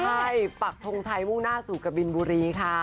ใช่ปักทงชัยมุ่งหน้าสู่กะบินบุรีค่ะ